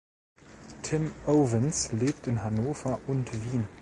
Tim Ovens lebt in Hannover und Wien.